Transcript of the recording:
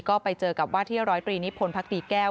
ก็ไปเจอกับว่าที่ร้อยตรีนิพนธ์พักดีแก้ว